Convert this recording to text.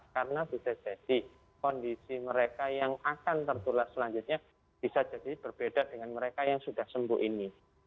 karena bisa jadi kondisi mereka yang akan tertular selanjutnya bisa jadi berbeda dengan mereka yang sudah sembuh ini